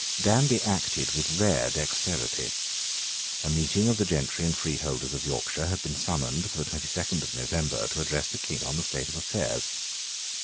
Danby acted with rare dexterity. A meeting of the gentry and freeholders of Yorkshire had been summoned for the twenty second of November to address the King on the state of affairs.